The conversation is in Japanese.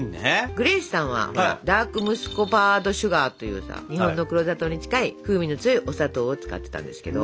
グレースさんはほらダークムスコバードシュガーというさ日本の黒砂糖に近い風味の強いお砂糖を使ってたんですけど。